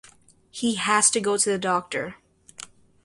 He has to go to the doctor.